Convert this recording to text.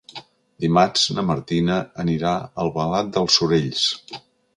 Dimarts na Martina anirà a Albalat dels Sorells.